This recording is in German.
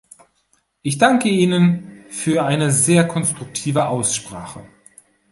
Ich danke Ihnen für eine sehr konstruktive Aussprache.